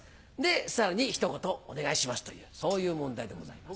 さらにひと言お願いしますというそういう問題でございます。